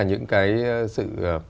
những cái sự